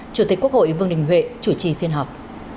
chủ tịch quốc hội vương đình huệ chủ trì phiên họp